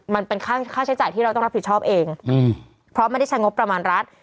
มันเป็นค่าใช้จ่ายที่เราต้องรับผิดชอบเองเพราะไม่ได้ใช้งบประมาณรัฐ